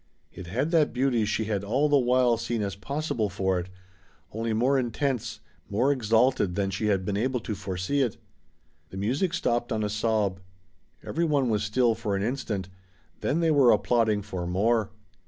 It had that beauty she had all the while seen as possible for it, only more intense, more exalted than she had been able to foresee it. The music stopped on a sob. Every one was still for an instant then they were applauding for more.